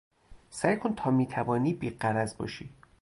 سعی کن تا میتوانی بی غرض باشی.